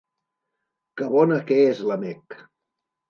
Que bona que és la Meg!